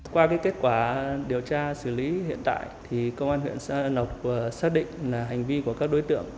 qua kết quả điều tra xử lý hiện tại công an huyện gia lộc xác định hành vi của các đối tượng